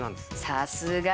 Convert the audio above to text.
さすが！